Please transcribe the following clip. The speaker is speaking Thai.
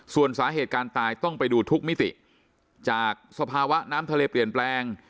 ส่วนสาเหตุการตายต้องไปดูทุกมิติจากสภาวะน้ำทะเลเปลี่ยนแปลง